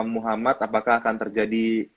muhammad apakah akan terjadi